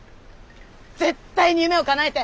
絶対に夢をかなえて！